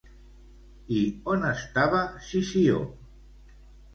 I on estava Sició?